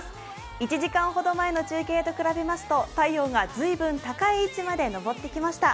１時間ほど前の中継と比べると太陽が高い位置にまで昇ってきました。